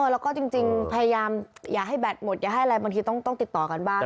แล้วก็จริงพยายามอย่าให้แบตหมดอย่าให้อะไรบางทีต้องติดต่อกันบ้าง